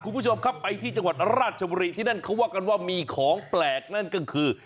คุณผู้ชมครับไปที่จังหวัดราชบุรีที่นั่นเขาว่ากันว่ามีของแปลกนั่นก็คือ